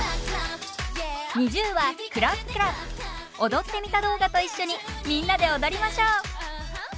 踊ってみた動画と一緒にみんなで踊りましょう。